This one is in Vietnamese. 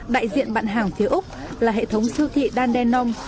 đại diện bạn hàng phía úc là hệ thống siêu thị dan denong